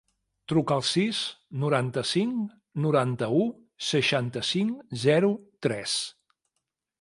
Truca al sis, noranta-cinc, noranta-u, seixanta-cinc, zero, tres.